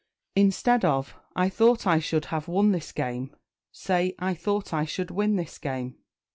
Instead of "I thought I should have won this game," say "I thought I should win this game."